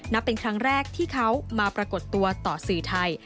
เป็นครั้งแรกที่เขามาปรากฏตัวต่อสื่อไทย